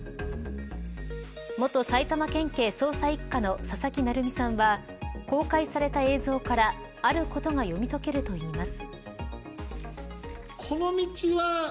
元埼玉県警捜査一課の佐々木成三さんは公開された映像からあることが読み解けるといいます。